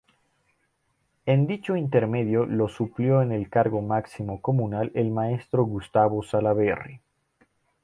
En dicho intermedio lo suplió en el cargo máximo comunal el maestro Gustavo Salaberry.